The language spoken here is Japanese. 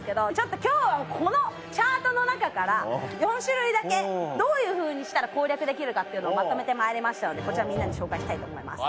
今日はこのチャートの中から４種類だけどういうふうにしたら攻略できるかっていうのをまとめてまいりましたのでこちらみんなに紹介したいと思います。